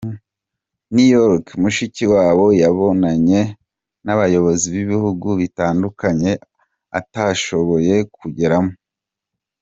New York, Mushikiwabo yabonanye n’abayobozi b’ibihugu bitandukanye atashoboye kugeramo